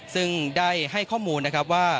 ซึ่งได้ให้ข้อมูลนะครับว่า